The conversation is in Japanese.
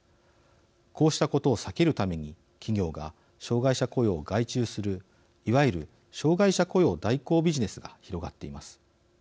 こうしたことを避けるために企業が障害者雇用を外注するいわゆる障害者雇用代行ビジネスが広がっています。